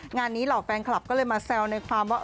งานนี้เหล่าแฟนคลับก็เลยมาแซวในความว่า